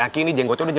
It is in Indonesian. makin banyak orang